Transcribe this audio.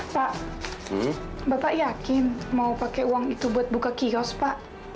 pak bapak yakin mau pakai uang itu buat buka kios pak